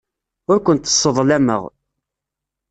Ur kent-sseḍlameɣ.